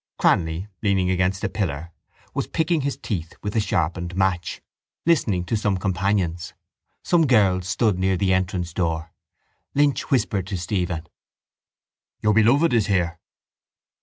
Cranly, leaning against a pillar, was picking his teeth with a sharpened match, listening to some companions. Some girls stood near the entrance door. Lynch whispered to Stephen: —Your beloved is here.